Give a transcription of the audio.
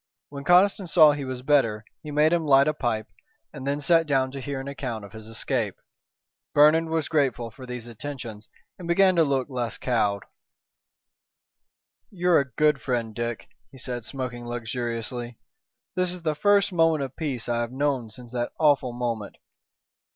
When Conniston saw he was better he made him light a pipe and then sat down to hear an account of his escape. Bernard was grateful for these attentions and began to look less cowed. "You're a good friend, Dick," he said, smoking luxuriously. "This is the first moment of peace I have known since that awful moment."